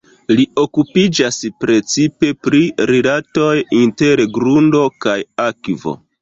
Li okupiĝas precipe pri rilatoj inter grundo kaj akvo.